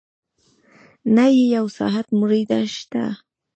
نه يې يو ساعت مړېدۀ شته